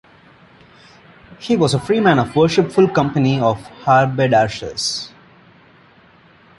He was a freeman of Worshipful Company of Haberdashers.